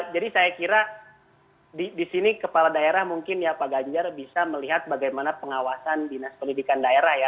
jadi saya kira di sini kepala daerah mungkin ya pak ganjar bisa melihat bagaimana pengawasan dinas pendidikan daerah ya